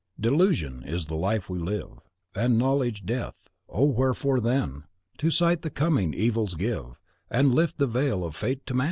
Delusion is the life we live And knowledge death; oh wherefore, then, To sight the coming evils give And lift the veil of Fate to Man?